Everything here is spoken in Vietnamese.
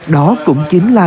đó cũng chính là